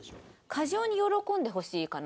過剰に喜んでほしいかなだとしたら。